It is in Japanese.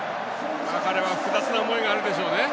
彼は複雑な思いがあるでしょうね。